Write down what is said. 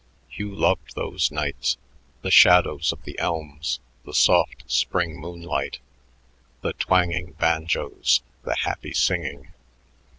Hugh loved those nights: the shadows of the elms, the soft spring moonlight, the twanging banjos, the happy singing.